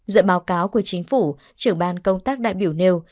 dựa báo cáo của chính phủ trưởng ban công tác đại biểu nêu